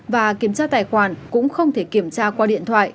và kiểm tra tài khoản cũng không thể kiểm tra qua điện thoại